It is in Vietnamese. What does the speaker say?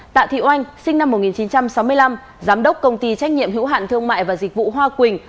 tạ thị oanh sinh năm một nghìn chín trăm sáu mươi năm giám đốc công ty trách nhiệm hữu hạn thương mại và dịch vụ hoa quỳnh